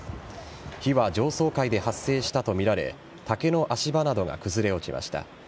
火は上層階で発生したとみられ竹の足場などが崩れ落ちました。